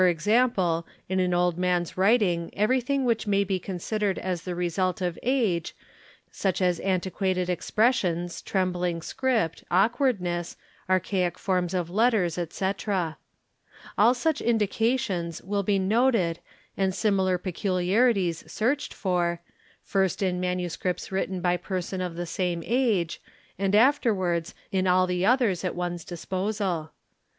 in an old man's writing everything which may be con sidered as the result of age, such as antiquated expressions, trembling script, awkwardness, archaic forms of letters, etc. All such indication will be noted and similar peculiarities searched for, first in manuscripts written by persons of the same age and afterwards in all the others a one's disposal.